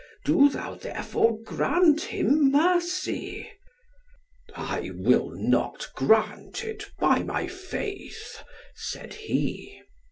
Do thou, therefore, grant him mercy." "I will not grant it, by my faith," said he.